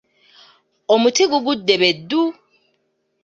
Omuti gugudde be ddu.